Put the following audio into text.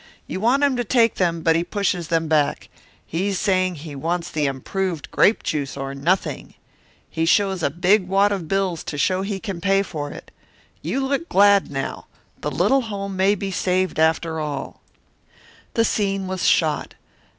You want him to take them, but he pushes them back. He's saying he wants the improved grape juice or nothing. He shows a big wad of bills to show he can pay for it. You look glad now the little home may be saved after all." The scene was shot.